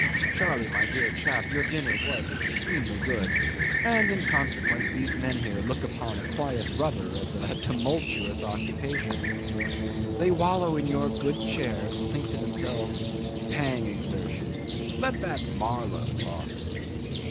Charley, my dear chap, your dinner was extremely good, and in consequence these men here look upon a quiet rubber as a tumultuous occupation. They wallow in your good chairs and think to themselves, "Hang exertion. Let that Marlow talk."